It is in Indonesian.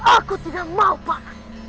aku tidak mau pak